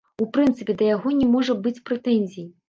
У прынцыпе, да яго не можа быць прэтэнзій.